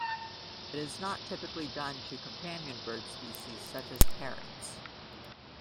It is not typically done to companion bird species such as parrots.